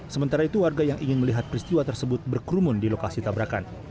sementara itu warga yang ingin melihat peristiwa tersebut berkerumun di lokasi tabrakan